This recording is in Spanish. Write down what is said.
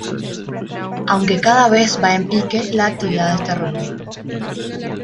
Aunque cada vez va en pique la actividad de este rubro.